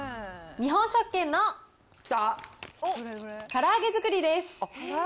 日本食研のから揚げ作りです。